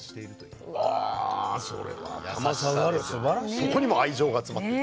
そこにも愛情が詰まってる。